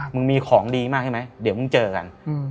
มีของดีมากใช่ไหมเดี๋ยวมึงเจอกัน